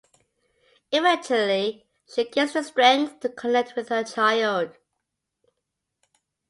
Eventually, she gains the strength to connect with her child.